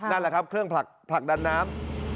นั่นแหละครับเครื่องผลักดันน้ำ